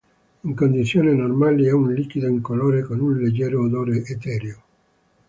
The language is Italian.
In condizioni normali è un liquido incolore con un leggero odore etereo.